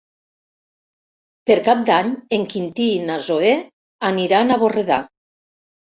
Per Cap d'Any en Quintí i na Zoè aniran a Borredà.